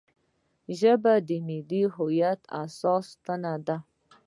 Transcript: ژبه د ملي وحدت اساسي ستن ده